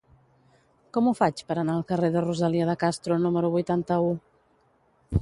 Com ho faig per anar al carrer de Rosalía de Castro número vuitanta-u?